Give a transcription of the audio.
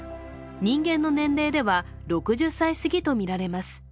人間の年齢では６０歳すぎとみられます。